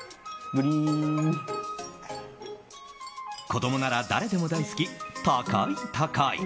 子供なら誰でも大好き、高い高い。